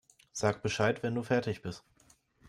Sag Bescheid, wenn du fertig bist.